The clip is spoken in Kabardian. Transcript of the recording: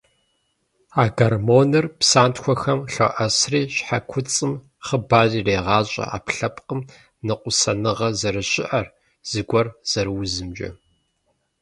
А гормоныр псантхуэхэм лъоӏэсри, щхьэкуцӏым хъыбар ирегъащӏэ ӏэпкълъэпкъым ныкъусаныгъэ зэрыщыӏэр, зыгуэр зэрыузымкӏэ.